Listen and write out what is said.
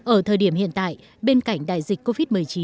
ở thời điểm hiện tại bên cạnh đại dịch covid một mươi chín